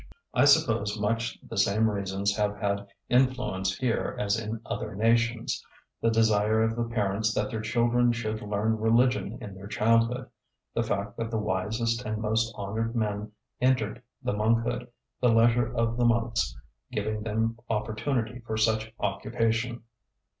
I suppose much the same reasons have had influence here as in other nations; the desire of the parents that their children should learn religion in their childhood, the fact that the wisest and most honoured men entered the monkhood, the leisure of the monks giving them opportunity for such occupation.